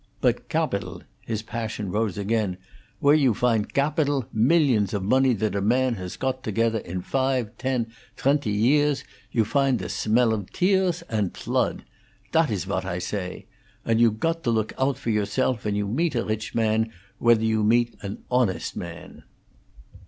But gabidal" his passion rose again "where you find gabidal, millions of money that a man hass cot togeder in fife, ten, twenty years, you findt the smell of tears and ploodt! Dat iss what I say. And you cot to loog oudt for yourself when you meet a rich man whether you meet an honest man."